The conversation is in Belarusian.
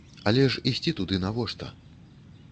Але ж ісці туды навошта?